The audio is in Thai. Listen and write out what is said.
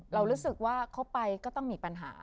เรารู้สึกว่าเขาไปก็ต้องมีปัญหา